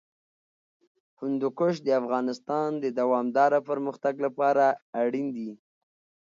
هندوکش د افغانستان د دوامداره پرمختګ لپاره اړین دي.